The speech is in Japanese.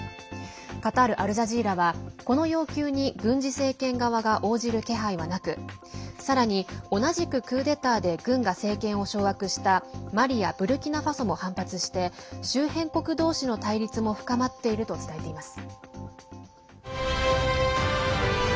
カタール・アルジャジーラはこの要求に軍事政権側が応じる気配はなくさらに同じく、クーデターで軍が政権を掌握したマリやブルキナファソも反発して周辺国同士の対立も深まっていると伝えています。